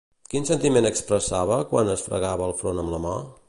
Quin sentiment expressava quan es fregava el front amb la mà?